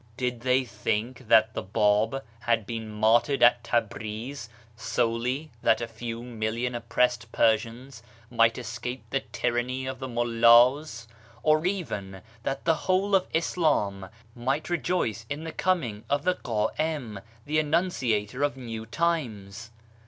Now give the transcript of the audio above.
" Did they think that the Bab had been martyred at Tabriz solely that a few million oppressed Persians might escape the tyranny of the Mullas ?— or even that the whole of Islam might rejoice in the coming of the Qa'im the annunciator of new times